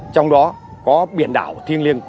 trong đó có biển đảo thiên liên